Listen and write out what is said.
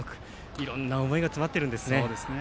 いろんな思いが詰まってるんですね。